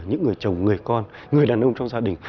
những người chồng người con người đàn ông trong gia đình